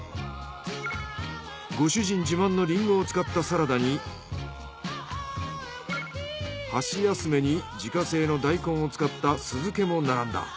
ご主人自慢のリンゴを使ったサラダに箸休めに自家製の大根を使った酢漬けも並んだ。